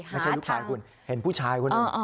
ไม่ใช่ลูกชายคุณเห็นผู้ชายคุณ